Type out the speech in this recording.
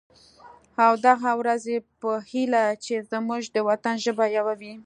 او د هغه ورځې په هیله چې زمونږ د وطن ژبه یوه وي.